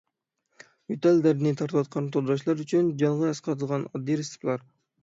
يۆتەل دەردىنى تارتىۋاتقان تورداشلار ئۈچۈن جانغا ئەسقاتىدىغان ئاددىي رېتسېپلار.